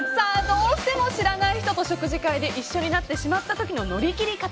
どうしても知らない人と食事会で一緒になってしまった時の乗り切り方。